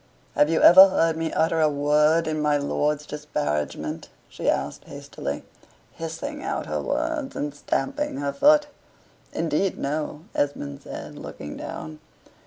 "Have you ever heard me utter a word in my lord's disparagement?" she asked hastily, hissing out her words, and stamping her foot. "Indeed, no," Esmond said, looking down.